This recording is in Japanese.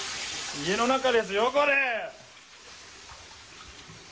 家の中ですよ、これ。